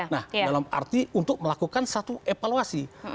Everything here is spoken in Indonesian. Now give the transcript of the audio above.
nah dalam arti untuk melakukan satu evaluasi